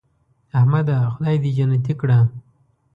احمده خدای دې جنتې کړه .